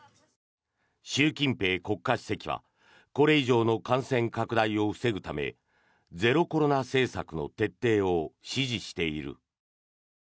習近平国家主席はこれ以上の感染拡大を防ぐためゼロコロナ政策の徹底を指示している。